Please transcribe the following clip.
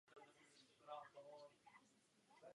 Jsou zde reliéfní sošky evangelistů a církevních učitelů.